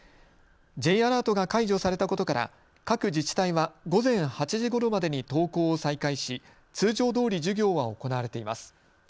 Ｊアラートが解除されたことから各自治体は午前８時ごろまでに登校を再開し通常どおり授業は行われています。